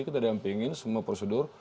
kita dampingi semua prosedur